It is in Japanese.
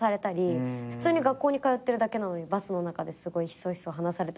普通に学校に通ってるだけなのにバスの中ですごいヒソヒソ話されたりとか。